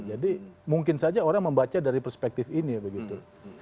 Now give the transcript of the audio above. jadi mungkin saja orang membaca dari perspektif ini ya begitu